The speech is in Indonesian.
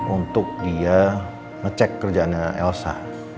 untuk dia ngecek kerjaannya elsa